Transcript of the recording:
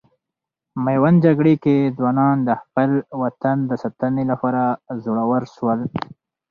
میوند جګړې کې ځوانان د خپل وطن د ساتنې لپاره زړور سول.